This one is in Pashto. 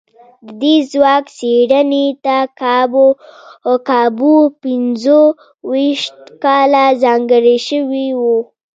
د دې ځواک څېړنې ته کابو پينځو ويشت کاله ځانګړي شوي وو.